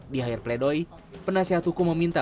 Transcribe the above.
di air pledoi penasehat hukum meminta